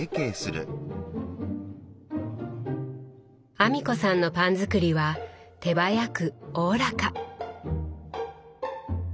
阿美子さんのパン作りは手早くおおらか。